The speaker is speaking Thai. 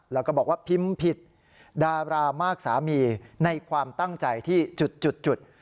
แล้วก็บอกว่าพิมพ์ผิดดารามากสามีในความตั้งใจที่จุด